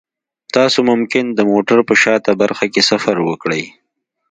تاسو ممکن د موټر په شاته برخه کې سفر وکړئ